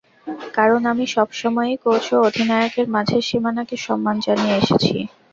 কারণ আমি সব সময়ই কোচ ও অধিনায়কের মাঝের সীমানাকে সম্মান জানিয়ে এসেছি।